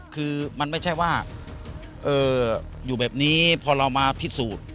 คือมันไม่ใช่ว่าอยู่แบบนี้พอเรามาพิสูจน์